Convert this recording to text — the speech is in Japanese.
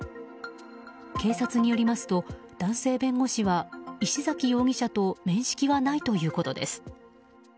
警察によりますと、男性弁護士は石崎容疑者と面識はないということです。